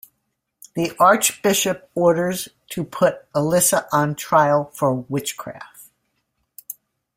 The Archbishop orders to put Elisa on trial for witchcraft.